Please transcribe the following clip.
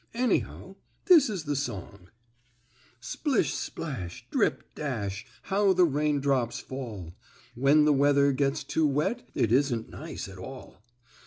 Anyhow this is the song: "Splish splash! Drip dash! How the raindrops fall! When the weather gets too wet, It isn't nice at all.